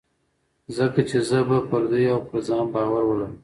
ځکه چې زه به پر دوی او پر ځان باور ولرم.